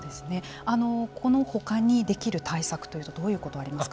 この他にできる対策というとどういうことがありますか。